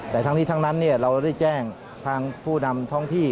แต่ทั้งนี้ทั้งนั้นเราได้แจ้งทางผู้นำท้องที่